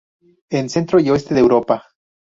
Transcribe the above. En centro y oeste de Europa.